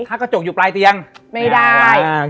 ถ้ากระจกอยู่ปลายเตียงไม่ได้